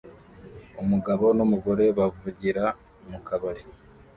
Umugabo numugore bavugira mukabari